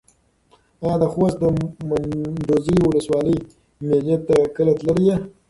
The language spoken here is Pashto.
ایا د خوست د منډوزیو ولسوالۍ مېلې ته کله تللی یې؟